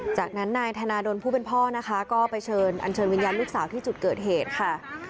จากนั้นนายธนาดลผู้เป็นพ่อนะคะก็ไปเชิญอันเชิญวิญญาณลูกสาวที่จุดเกิดเหตุค่ะ